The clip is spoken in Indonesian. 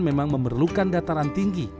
memang memerlukan dataran tinggi